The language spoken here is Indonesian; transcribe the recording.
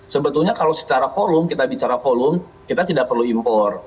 sebetulnya kalau secara volume kita bicara volume kita tidak perlu impor